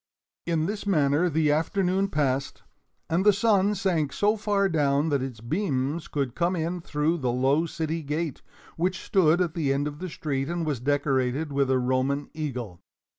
In this manner the afternoon passed, and the sun sank so far down that its beams could come in through the low city gate, which stood at the end of the street and was decorated with a Roman Eagle.